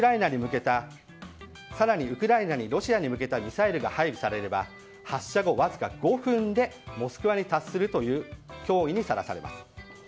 更にウクライナにロシアに向けたミサイルが配備されれば発射後わずか５分でモスクワに達するという脅威にさらされます。